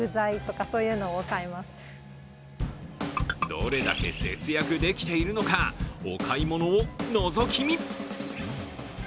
どれだけ節約できているのか、お買い物をのぞき見。